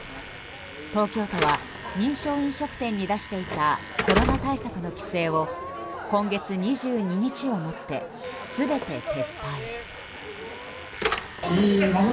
東京都は認証飲食店に出していたコロナ対策の規制を今月２２日をもって全て撤廃。